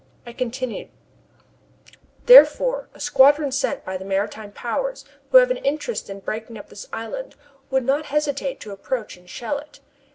I continued: "Therefore a squadron sent by the maritime powers who have an interest in breaking up this island would not hesitate to approach and shell it.